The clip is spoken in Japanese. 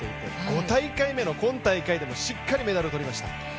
５大会目の今大会でもしっかりメダルを取りました。